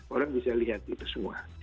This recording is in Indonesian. orang bisa lihat itu semua